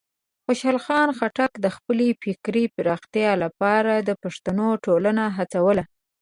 خوشحال خان خټک د خپلې فکري پراختیا لپاره د پښتنو ټولنه هڅول.